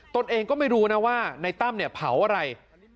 ตนเองก็ไม่รู้นะว่าในตั้มเนี่ยเผาอะไร